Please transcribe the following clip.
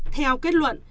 theo kết luận